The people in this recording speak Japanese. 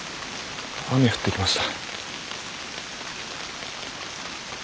雨降ってきました。